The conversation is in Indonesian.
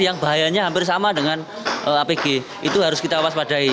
yang bahayanya hampir sama dengan apg itu harus kita waspadai